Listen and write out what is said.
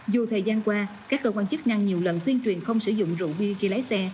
dù thời gian qua các cơ quan chức năng nhiều lần tuyên truyền không sử dụng rượu bia khi lái xe